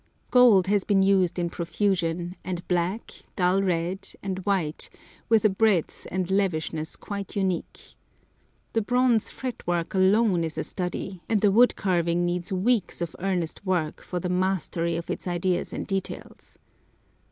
Gold has been used in profusion, and black, dull red, and white, with a breadth and lavishness quite unique. The bronze fret work alone is a study, and the wood carving needs weeks of earnest work for the mastery of its ideas and details.